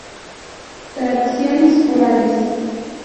Tradiciones orales.